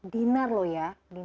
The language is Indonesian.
dinar loh ya